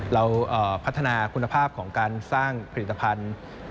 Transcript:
เราพัฒนาคุณภาพของการสร้างผลิตภัณฑ์